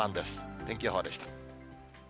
天気予報でした。